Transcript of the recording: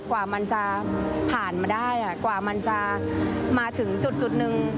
กว่ามันจะผ่านมาได้กว่ามันจะมาถึงจุดหนึ่ง